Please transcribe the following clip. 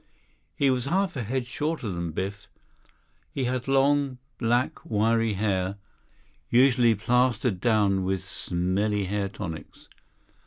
He was half a head shorter than Biff. He had long, black, wiry hair, usually plastered down with smelly hair tonics.